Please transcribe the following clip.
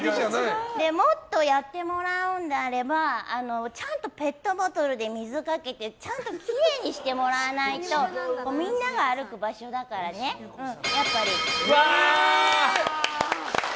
もっとやってもらうんであればちゃんとペットボトルで水かけて、ちゃんときれいにしてもらわないとみんなが歩く場所だからねやっぱり。